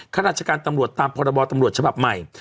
ข้าราชการตำรวจตามพรบตำรวจฉบับใหม่